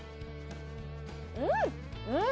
うん！